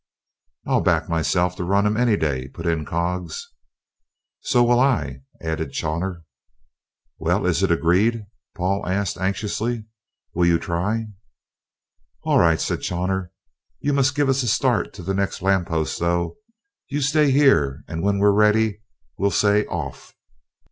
"I'll back myself to run him any day," put in Coggs. "So will I," added Chawner. "Well, is it agreed?" Paul asked anxiously. "Will you try?" "All right," said Chawner. "You must give us a start to the next lamp post, though. You stay here, and when we're ready we'll say 'off'!"